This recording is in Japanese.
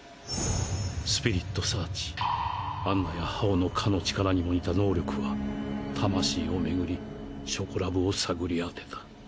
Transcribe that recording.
スピリットサーチアンナや葉王のかの力にも似た能力は魂をめぐりチョコラブを探り当てた。